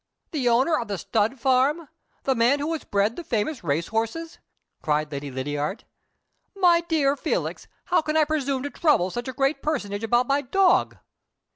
"The owner of the stud farm? The man who has bred the famous racehorses?" cried Lady Lydiard. "My dear Felix, how can I presume to trouble such a great personage about my dog?"